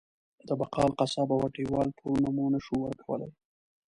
د بقال، قصاب او هټۍ وال پورونه مو نه شو ورکولی.